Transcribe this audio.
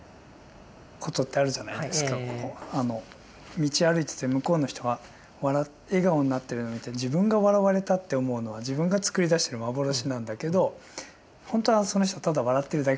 道歩いてて向こうの人が笑顔になってるのを見て自分が笑われたって思うのは自分が作り出してる幻なんだけどほんとはその人ただ笑ってるだけかもしれないという。